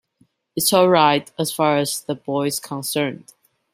It's all right as far as the boy's concerned.